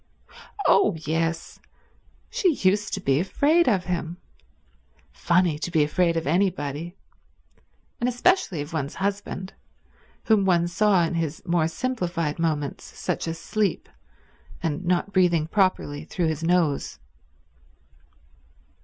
Oh yes—she used to be afraid of him. Funny to be afraid of anybody; and especially of one's husband, whom one saw in his more simplified moments, such as asleep, and not breathing properly through his nose.